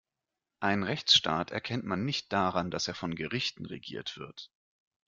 Einen Rechtsstaat erkennt man nicht daran, dass er von Gerichten regiert wird.